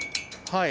はい。